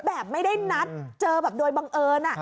แบบไม่ได้นัดเจอแบบโดยบังเอิญ